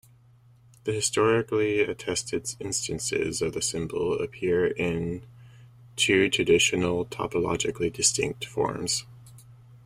The historically attested instances of the symbol appear in two traditional, topologically distinct, forms.